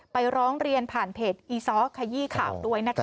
ร้องเรียนผ่านเพจอีซ้อขยี้ข่าวด้วยนะคะ